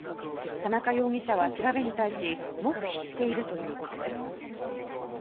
田中容疑者は調べに対し黙秘しているということです。